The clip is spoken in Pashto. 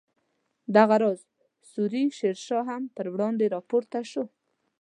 دغه راز سوري شیر شاه هم پر وړاندې راپورته شو.